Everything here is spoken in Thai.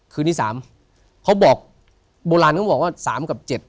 คืนที่๓เขาบอกโบราณเขาบอกว่า๓กับ๗